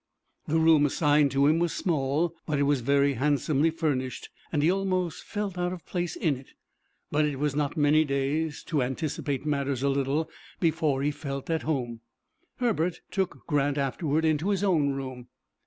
The room assigned to him was small, but it was very handsomely furnished, and he almost felt out of place in it. But it was not many days, to anticipate matters a little, before he felt at home. Herbert took Grant afterward into his own room.